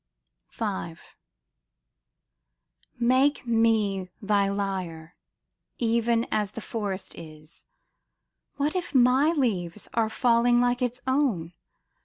444 SHELLEY Make me thy lyre, even as the forest is : What if my leaves are falling like its own